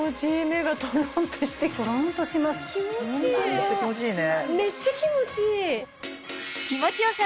めっちゃ気持ちいいね。